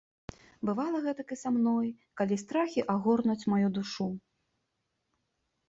Бывала гэтак і са мной, калі страхі агорнуць маю душу.